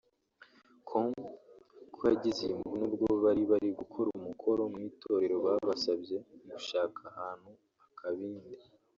com ko yagize iyi mvune ubwo bari bari gukora umukoro mu itorero babasabye gushaka ahantu akabindi